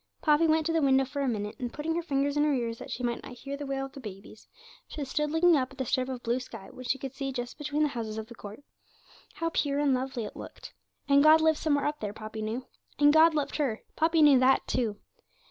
Poppy went to the window for a minute, and putting her fingers in her ears that she might not hear the wail of the babies, she stood looking up at the strip of blue sky, which she could just see between the houses of the court. How pure and lovely it looked! And God lived somewhere up there Poppy knew. And God loved her Poppy knew that, too.